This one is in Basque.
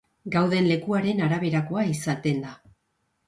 Gauden lekuaren araberakoa izaten da.